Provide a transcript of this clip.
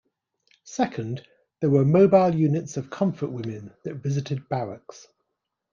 Second, there were mobile units of comfort women that visited barracks.